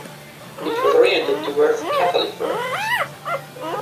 It was oriented towards Catholic workers.